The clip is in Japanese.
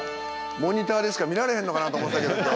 モニターでしか見られへんのかなと思ってたけど今日。